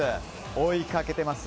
追いかけています。